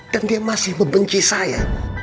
dan dia masih membenci saya